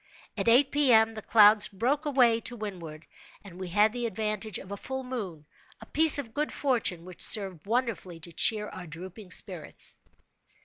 At eight P. M., the clouds broke away to windward, and we had the advantage of a full moon—a piece of good fortune which served wonderfully to cheer our drooping spirits.